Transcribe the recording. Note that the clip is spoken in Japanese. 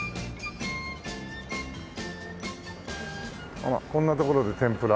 あらこんな所で天ぷら。